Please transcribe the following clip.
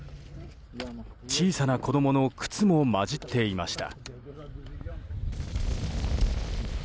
小さな子供の靴も混じっていました。